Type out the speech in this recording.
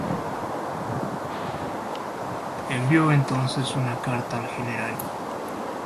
Envió entonces una carta al Gral.